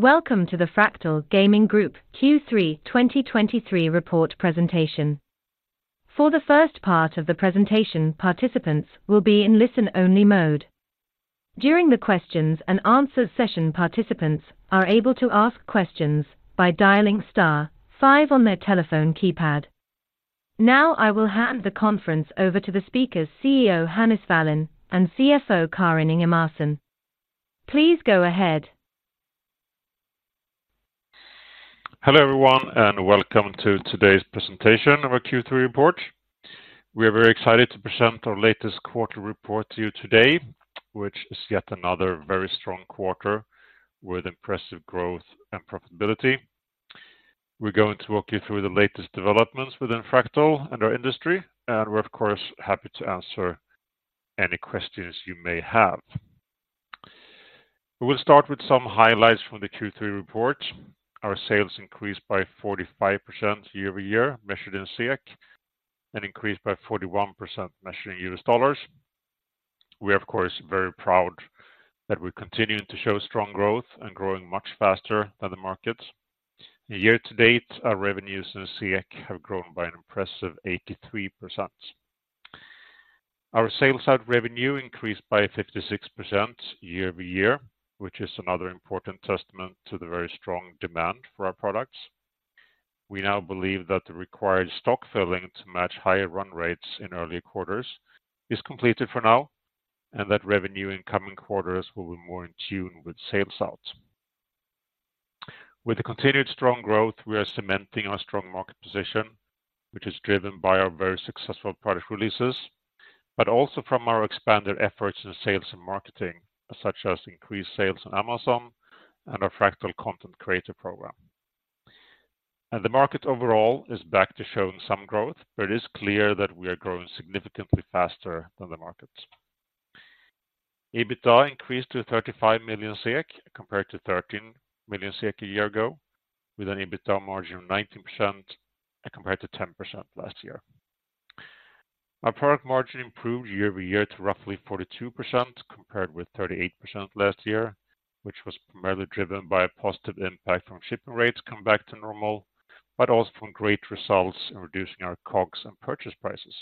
Welcome to the Fractal Gaming Group Q3 2023 report presentation. For the first part of the presentation, participants will be in listen-only mode. During the questions and answers session, participants are able to ask questions by dialing star five on their telephone keypad. Now, I will hand the conference over to the speakers, CEO Hannes Wallin and CFO Karin Ingemarson. Please go ahead. Hello everyone, and welcome to today's presentation of our Q3 report. We are very excited to present our latest quarter report to you today, which is yet another very strong quarter with impressive growth and profitability. We're going to walk you through the latest developments within Fractal and our industry, and we're, of course, happy to answer any questions you may have. We will start with some highlights from the Q3 report. Our sales increased by 45% year-over-year, measured in SEK, and increased by 41%, measured in US dollars. We are, of course, very proud that we continue to show strong growth and growing much faster than the market. Year to date, our revenues in SEK have grown by an impressive 83%. Our sales out revenue increased by 56% year-over-year, which is another important testament to the very strong demand for our products. We now believe that the required stock filling to match higher run rates in earlier quarters is completed for now, and that revenue in coming quarters will be more in tune with sales out. With the continued strong growth, we are cementing our strong market position, which is driven by our very successful product releases, but also from our expanded efforts in sales and marketing, such as increased sales on Amazon and our Fractal Content Creator program. The market overall is back to showing some growth, but it is clear that we are growing significantly faster than the market. EBITDA increased to 35 million SEK, compared to 13 million SEK a year ago, with an EBITDA margin of 19% and compared to 10% last year. Our product margin improved year-over-year to roughly 42%, compared with 38% last year, which was primarily driven by a positive impact from shipping rates coming back to normal, but also from great results in reducing our COGS and purchase prices.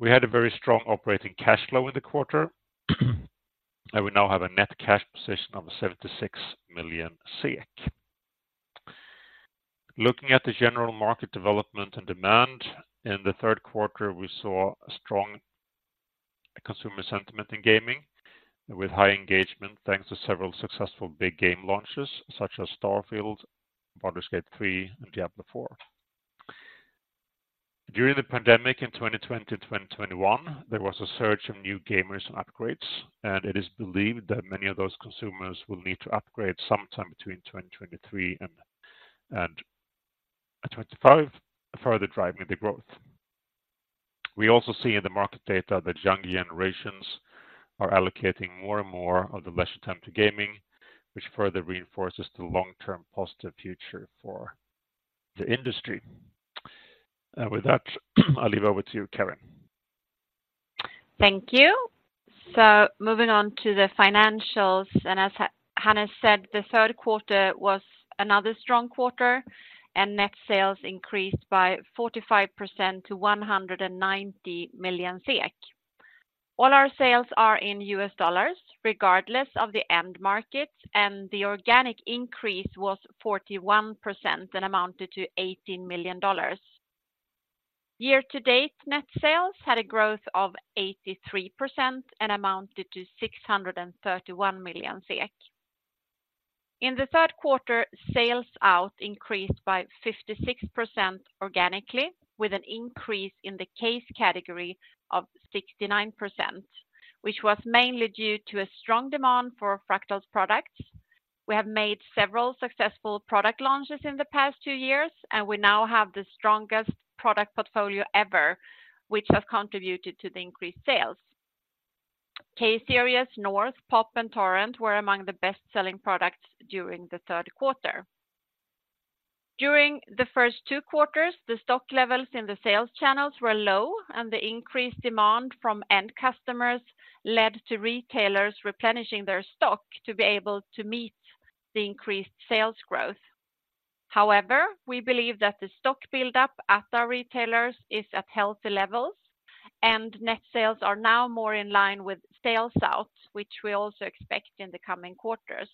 We had a very strong operating cash flow in the quarter, and we now have a net cash position of 76 million SEK. Looking at the general market development and demand, in the third quarter, we saw a strong consumer sentiment in gaming with high engagement, thanks to several successful big game launches such as Starfield, Baldur's Gate 3, and Diablo IV. During the pandemic in 2020-2021, there was a surge in new gamers and upgrades, and it is believed that many of those consumers will need to upgrade sometime between 2023 and 2025, further driving the growth. We also see in the market data that younger generations are allocating more and more of their leisure time to gaming, which further reinforces the long-term positive future for the industry. With that, I'll leave over to you, Karin. Thank you. So moving on to the financials, and as Hannes said, the third quarter was another strong quarter, and net sales increased by 45% to 190 million SEK. All our sales are in US dollars, regardless of the end markets, and the organic increase was 41% and amounted to $18 million. Year to date, net sales had a growth of 83% and amounted to 631 million SEK. In the third quarter, sales out increased by 56% organically, with an increase in the case category of 69%, which was mainly due to a strong demand for Fractal's products. We have made several successful product launches in the past two years, and we now have the strongest product portfolio ever, which has contributed to the increased sales. Case series North, Pop, and Torrent were among the best-selling products during the third quarter. During the first two quarters, the stock levels in the sales channels were low, and the increased demand from end customers led to retailers replenishing their stock to be able to meet the increased sales growth. However, we believe that the stock buildup at our retailers is at healthy levels, and net sales are now more in line with sales out, which we also expect in the coming quarters.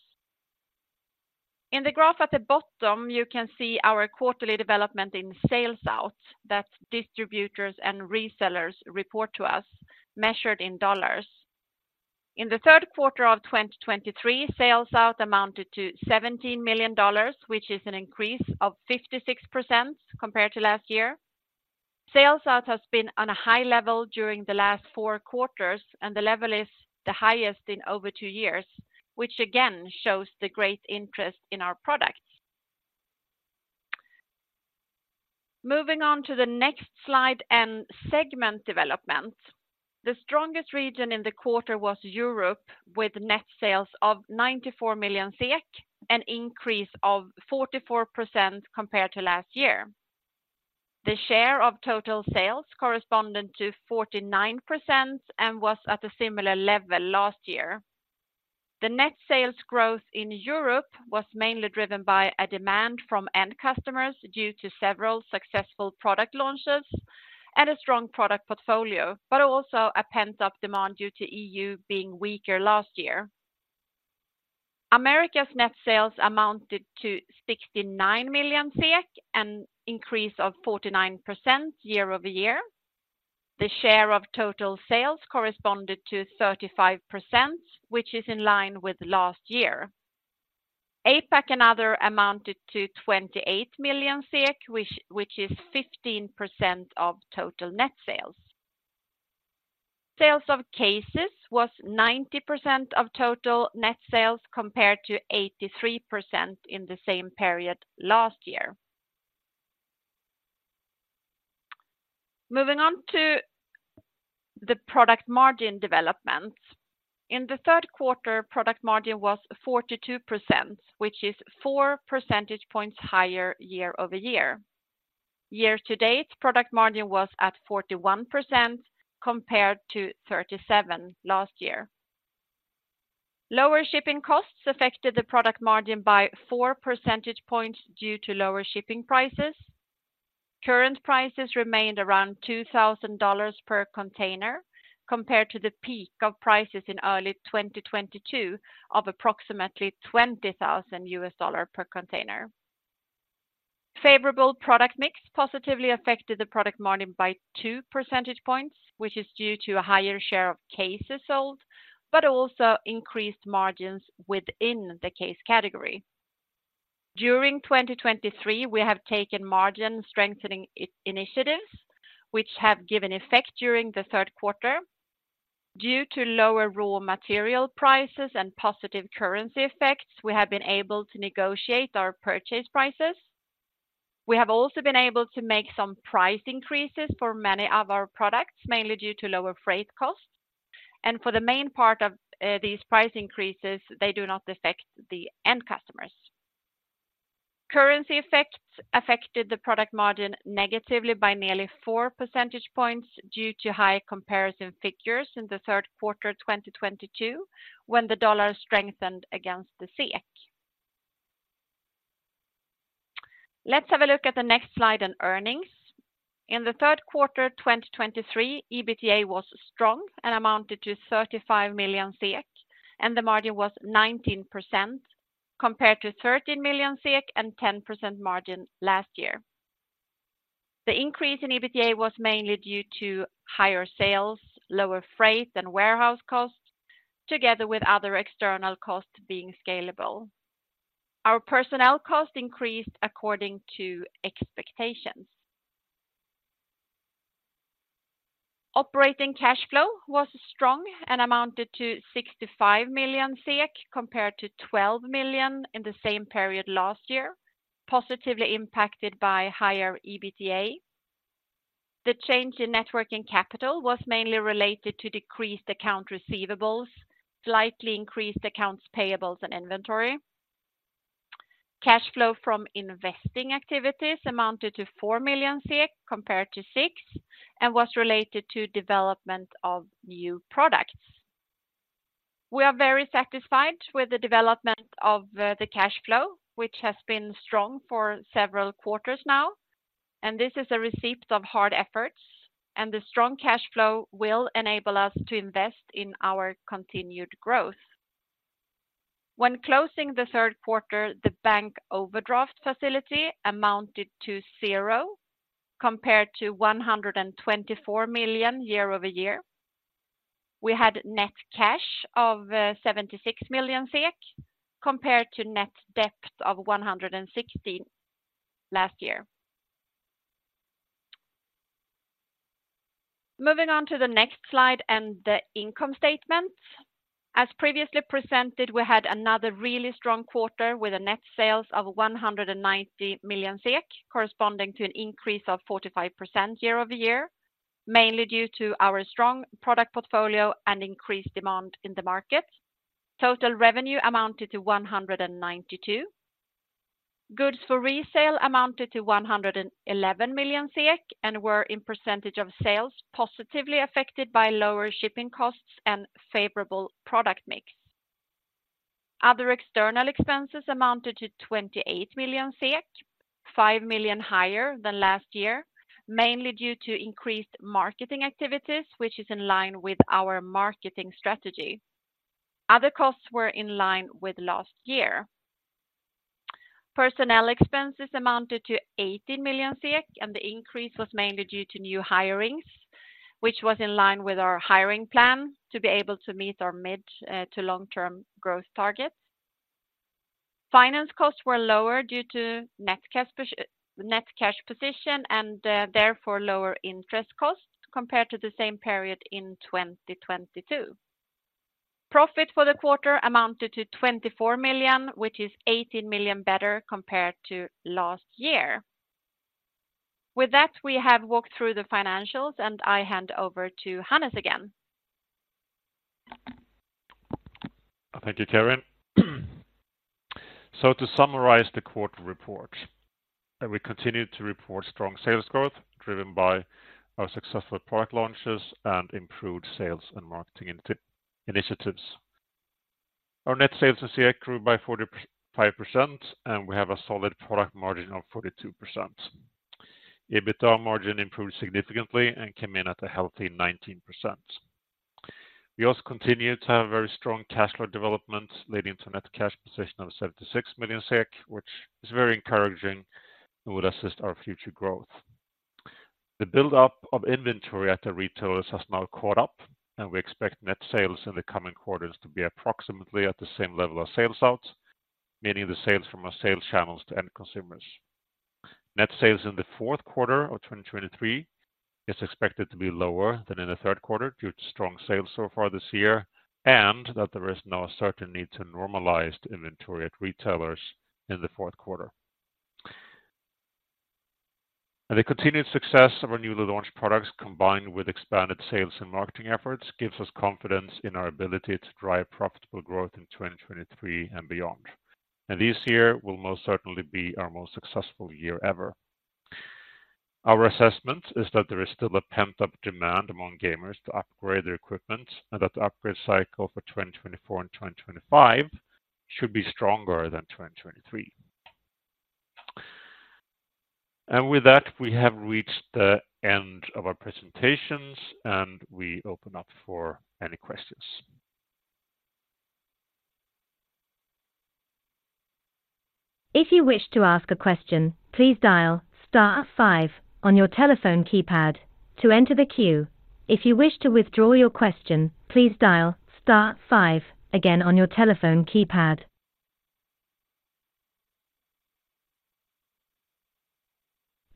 In the graph at the bottom, you can see our quarterly development in sales out, that distributors and resellers report to us, measured in dollars. In the third quarter of 2023, sales out amounted to $17 million, which is an increase of 56% compared to last year. Sales Out has been on a high level during the last four quarters, and the level is the highest in over two years, which again shows the great interest in our products. Moving on to the next slide and segment development. The strongest region in the quarter was Europe, with net sales of 94 million SEK, an increase of 44% compared to last year. The share of total sales corresponded to 49% and was at a similar level last year. The net sales growth in Europe was mainly driven by a demand from end customers due to several successful product launches and a strong product portfolio, but also a pent-up demand due to EU being weaker last year. Americas' net sales amounted to 69 million, an increase of 49% year-over-year. The share of total sales corresponded to 35%, which is in line with last year. APAC and other amounted to 28 million SEK, which is 15% of total net sales. Sales of cases was 90% of total net sales, compared to 83% in the same period last year. Moving on to the product margin development. In the third quarter, product margin was 42%, which is four percentage points higher year-over-year. Year-to-date, product margin was at 41%, compared to 37 last year. Lower shipping costs affected the product margin by four percentage points due to lower shipping prices. Current prices remained around $2000 per container, compared to the peak of prices in early 2022 of approximately $20,000 US dollar per container. Favorable product mix positively affected the product margin by 2 percentage points, which is due to a higher share of cases sold, but also increased margins within the case category. During 2023, we have taken margin strengthening initiatives, which have given effect during the third quarter. Due to lower raw material prices and positive currency effects, we have been able to negotiate our purchase prices. We have also been able to make some price increases for many of our products, mainly due to lower freight costs, and for the main part of these price increases, they do not affect the end customers. Currency effects affected the product margin negatively by nearly 4 percentage points due to high comparison figures in the third quarter of 2022, when the dollar strengthened against the SEK. Let's have a look at the next slide on earnings. In the third quarter of 2023, EBITDA was strong and amounted to 35 million, and the margin was 19%, compared to 13 million and 10% margin last year. The increase in EBITDA was mainly due to higher sales, lower freight and warehouse costs, together with other external costs being scalable. Our personnel costs increased according to expectations. Operating cash flow was strong and amounted to 65 million, compared to 12 million in the same period last year, positively impacted by higher EBITDA. The change in net working capital was mainly related to decreased accounts receivable, slightly increased accounts payable and inventory. Cash flow from investing activities amounted to 4 million SEK compared to 6 million, and was related to development of new products. We are very satisfied with the development of the cash flow, which has been strong for several quarters now, and this is a receipt of hard efforts, and the strong cash flow will enable us to invest in our continued growth. When closing the third quarter, the bank overdraft facility amounted to zero, compared to 124 million year-over-year. We had net cash of 76 million SEK, compared to net debt of 116 million last year. Moving on to the next slide and the income statement. As previously presented, we had another really strong quarter with net sales of 190 million SEK, corresponding to an increase of 45% year-over-year, mainly due to our strong product portfolio and increased demand in the market. Total revenue amounted to 192 million. Goods for resale amounted to 111 million, and were, in percentage of sales, positively affected by lower shipping costs and favorable product mix. Other external expenses amounted to 28 million SEK, 5 million higher than last year, mainly due to increased marketing activities, which is in line with our marketing strategy. Other costs were in line with last year. Personnel expenses amounted to 80 million, and the increase was mainly due to new hirings, which was in line with our hiring plan to be able to meet our mid- to long-term growth targets. Finance costs were lower due to net cash position and, therefore, lower interest costs compared to the same period in 2022. Profit for the quarter amounted to 24 million, which is 18 million better compared to last year. With that, we have walked through the financials, and I hand over to Hannes again.... Thank you, Karin. So to summarize the quarter report, we continue to report strong sales growth, driven by our successful product launches and improved sales and marketing initiatives. Our net sales in SEK grew by 45%, and we have a solid product margin of 42%. EBITDA margin improved significantly and came in at a healthy 19%. We also continue to have very strong cash flow development, leading to a net cash position of 76 million SEK, which is very encouraging and would assist our future growth. The buildup of inventory at the retailers has now caught up, and we expect net sales in the coming quarters to be approximately at the same level of sales out, meaning the sales from our sales channels to end consumers. Net sales in the fourth quarter of 2023 is expected to be lower than in the third quarter due to strong sales so far this year, and that there is now a certain need to normalize the inventory at retailers in the fourth quarter. The continued success of our newly launched products, combined with expanded sales and marketing efforts, gives us confidence in our ability to drive profitable growth in 2023 and beyond. This year will most certainly be our most successful year ever. Our assessment is that there is still a pent-up demand among gamers to upgrade their equipment, and that the upgrade cycle for 2024 and 2025 should be stronger than 2023. With that, we have reached the end of our presentations, and we open up for any questions. If you wish to ask a question, please dial star five on your telephone keypad to enter the queue. If you wish to withdraw your question, please dial star five again on your telephone keypad.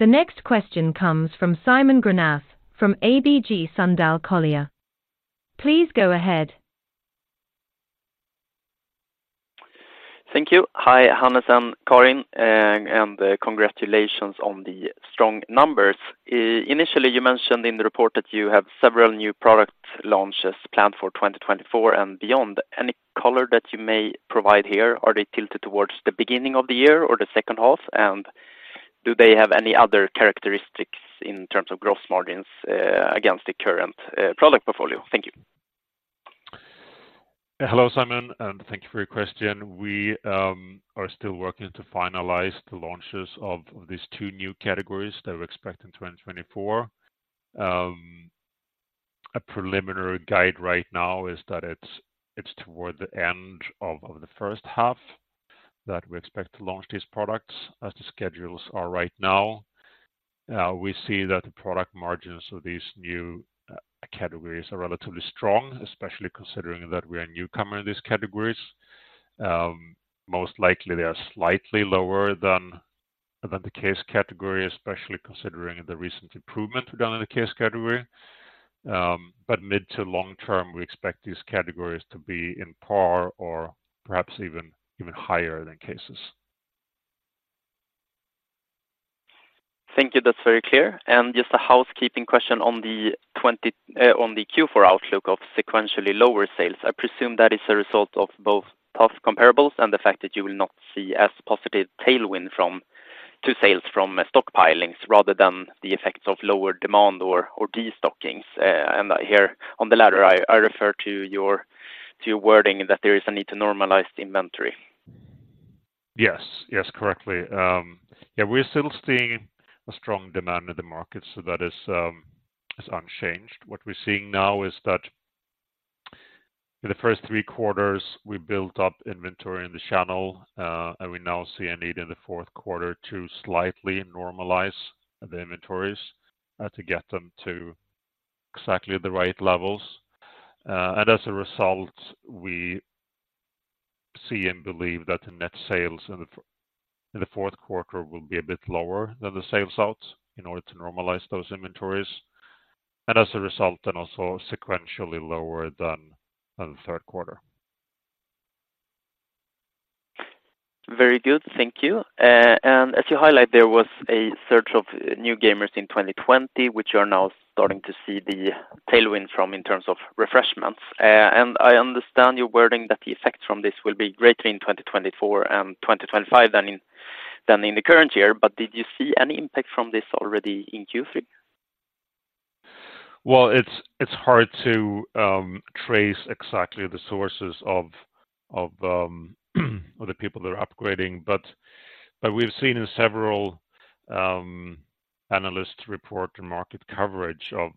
The next question comes from Simon Granath, from ABG Sundal Collier. Please go ahead. Thank you. Hi, Hannes and Karin, and, congratulations on the strong numbers. Initially, you mentioned in the report that you have several new product launches planned for 2024 and beyond. Any color that you may provide here? Are they tilted towards the beginning of the year or the second half? And do they have any other characteristics in terms of growth margins, against the current, product portfolio? Thank you. Hello, Simon, and thank you for your question. We are still working to finalize the launches of these two new categories that we expect in 2024. A preliminary guide right now is that it's toward the end of the first half that we expect to launch these products, as the schedules are right now. We see that the product margins of these new categories are relatively strong, especially considering that we are a newcomer in these categories. Most likely, they are slightly lower than the case category, especially considering the recent improvement we've done in the case category. But mid to long term, we expect these categories to be in par or perhaps even higher than cases. Thank you. That's very clear. And just a housekeeping question on the Q4 outlook of sequentially lower sales. I presume that is a result of both tough comparables and the fact that you will not see as positive tailwind from to sales from stockpilings rather than the effects of lower demand or destockings. And here on the latter, I refer to your wording that there is a need to normalize the inventory. Yes. Yes, correctly. Yeah, we're still seeing a strong demand in the market, so that is, is unchanged. What we're seeing now is that in the first three quarters, we built up inventory in the channel, and we now see a need in the fourth quarter to slightly normalize the inventories, to get them to exactly the right levels. And as a result, we see and believe that the net sales in the fourth quarter will be a bit lower than the sales out in order to normalize those inventories, and as a result, then also sequentially lower than, than the third quarter. Very good. Thank you. As you highlight, there was a surge of new gamers in 2020, which you are now starting to see the tailwind from in terms of refreshes. I understand your wording that the effect from this will be greater in 2024 and 2025 than in the current year, but did you see any impact from this already in Q3? Well, it's hard to trace exactly the sources of the people that are upgrading. But we've seen in several analysts report and market coverage of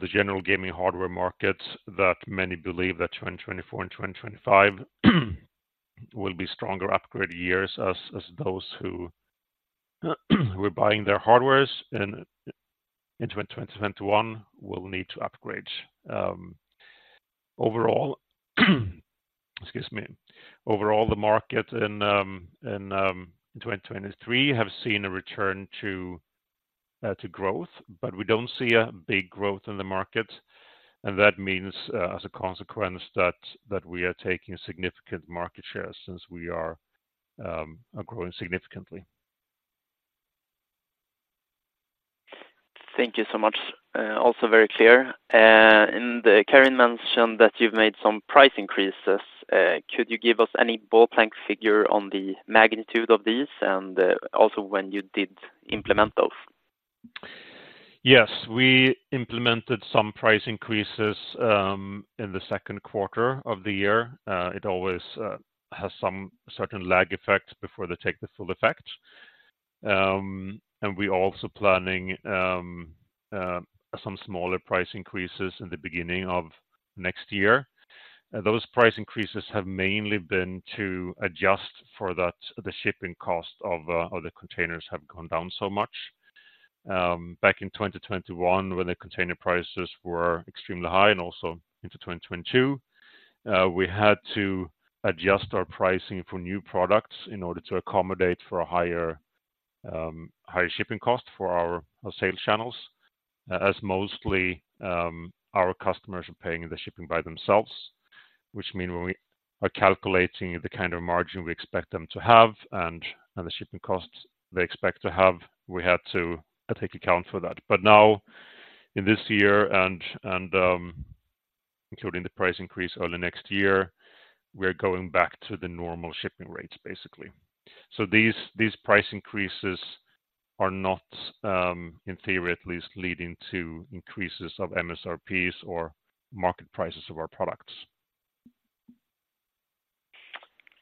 the general gaming hardware markets, that many believe that 2024 and 2025 will be stronger upgrade years as those who are buying their hardwares in 2021 will need to upgrade. Overall, excuse me. Overall, the market in 2023 have seen a return to growth, but we don't see a big growth in the market. And that means, as a consequence, that we are taking significant market share since we are growing significantly.... Thank you so much. Also very clear. And Karin mentioned that you've made some price increases. Could you give us any ballpark figure on the magnitude of these, and also when you did implement those? Yes, we implemented some price increases in the second quarter of the year. It always has some certain lag effect before they take the full effect. And we're also planning some smaller price increases in the beginning of next year. Those price increases have mainly been to adjust for that, the shipping cost of the containers have gone down so much. Back in 2021, when the container prices were extremely high and also into 2022, we had to adjust our pricing for new products in order to accommodate for a higher higher shipping cost for our sales channels, as mostly our customers are paying the shipping by themselves. Which means when we are calculating the kind of margin we expect them to have and the shipping costs they expect to have, we had to take into account for that. But now, in this year, including the price increase early next year, we're going back to the normal shipping rates, basically. So these price increases are not, in theory, at least, leading to increases of MSRPs or market prices of our products.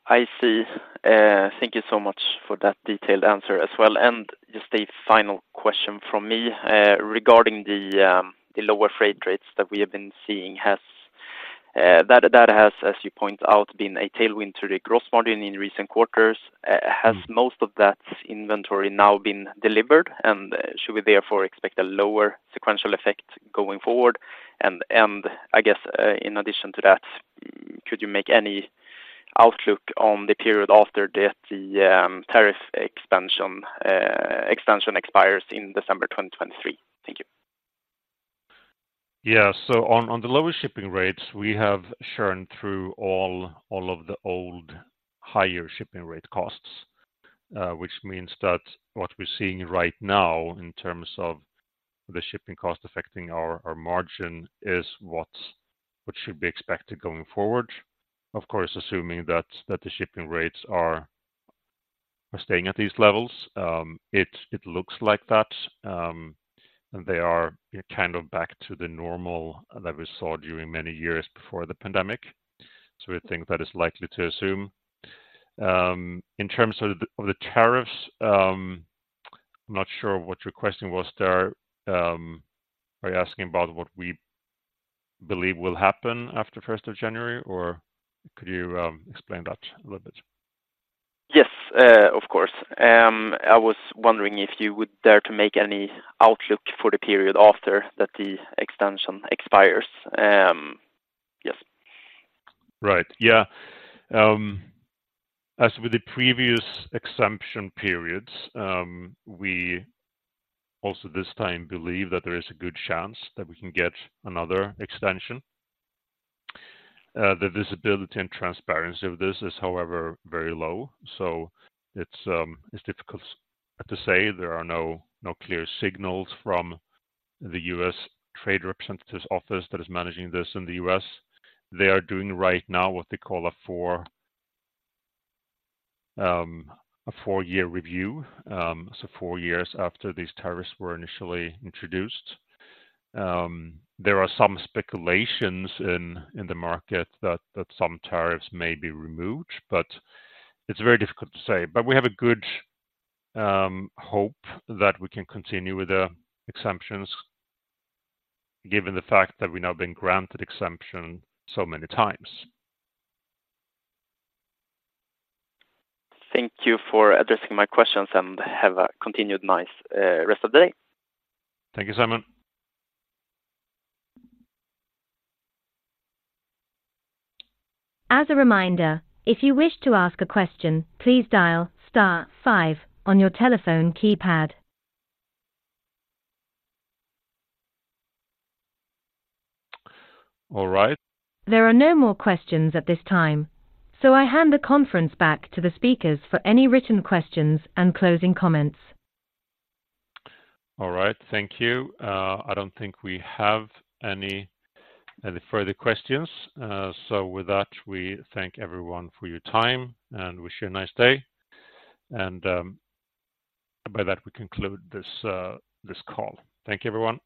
I see. Thank you so much for that detailed answer as well. And just a final question from me, regarding the lower freight rates that we have been seeing, that has, as you point out, been a tailwind to the gross margin in recent quarters. Has most of that inventory now been delivered? And should we therefore expect a lower sequential effect going forward? And I guess, in addition to that, could you make any outlook on the period after the tariff expansion expires in December 2023? Thank you. Yeah. So on the lower shipping rates, we have churned through all of the old higher shipping rate costs, which means that what we're seeing right now in terms of the shipping cost affecting our margin, is what should be expected going forward. Of course, assuming that the shipping rates are staying at these levels, it looks like that, and they are kind of back to the normal that we saw during many years before the pandemic. So we think that is likely to assume. In terms of the tariffs, I'm not sure what your question was there. Are you asking about what we believe will happen after the first of January, or could you explain that a little bit? Yes, of course. I was wondering if you would dare to make any outlook for the period after that the extension expires. Yes. Right. Yeah. As with the previous exemption periods, we also, this time, believe that there is a good chance that we can get another extension. The visibility and transparency of this is, however, very low, so it's, it's difficult to say. There are no clear signals from the U.S. Trade Representative's office that is managing this in the U.S. They are doing right now what they call a 4-year review. So 4 years after these tariffs were initially introduced. There are some speculations in the market that some tariffs may be removed, but it's very difficult to say. But we have a good hope that we can continue with the exemptions, given the fact that we've now been granted exemption so many times. Thank you for addressing my questions, and have a continued nice rest of the day. Thank you, Simon. As a reminder, if you wish to ask a question, please dial star five on your telephone keypad. All right. There are no more questions at this time, so I hand the conference back to the speakers for any written questions and closing comments. All right. Thank you. I don't think we have any further questions. So with that, we thank everyone for your time and wish you a nice day. By that, we conclude this call. Thank you, everyone.